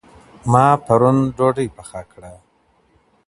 ما پرون ډوډۍ پخه کړه.